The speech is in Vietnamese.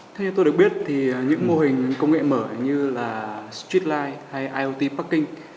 theo như tôi được biết thì những mô hình công nghệ mở như là streetlight hay iot parking